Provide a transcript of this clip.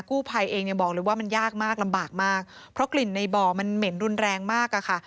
กู้ภัยเองยังบอกเลยว่ามันยากมากลำบากมากเพราะกลิ่นในบ่อมันเหม็นรุนแรงมากอะค่ะ